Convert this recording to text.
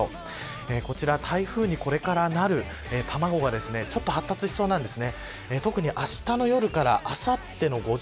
こちら台風にこれからなる卵がちょっと発達しそうなんです。